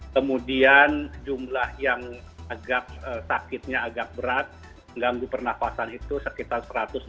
kemudian jumlah yang agak sakitnya agak berat mengganggu pernafasan itu sekitar satu ratus dua puluh